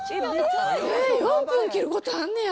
４分切ることあんねや。